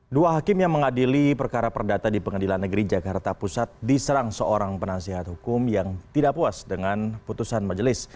dua hakim yang mengadili perkara perdata di pengadilan negeri jakarta pusat diserang seorang penasihat hukum yang tidak puas dengan putusan majelis